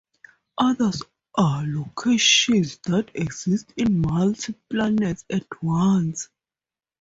Others are locations that exist in multiple planes at once.